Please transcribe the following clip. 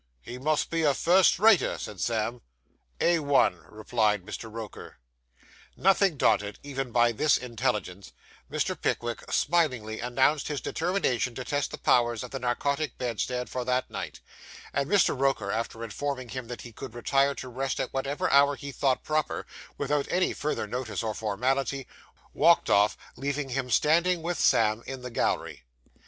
'He must be a first rater,' said Sam. 'A1,' replied Mr. Roker. Nothing daunted, even by this intelligence, Mr. Pickwick smilingly announced his determination to test the powers of the narcotic bedstead for that night; and Mr. Roker, after informing him that he could retire to rest at whatever hour he thought proper, without any further notice or formality, walked off, leaving him standing with Sam in the gallery.